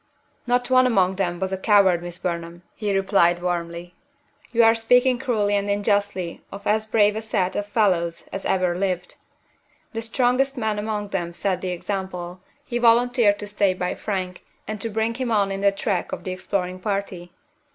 "Not one among them was a coward, Miss Burnham!" he replied, warmly. "You are speaking cruelly and unjustly of as brave a set of fellows as ever lived! The strongest man among them set the example; he volunteered to stay by Frank, and to bring him on in the track of the exploring party."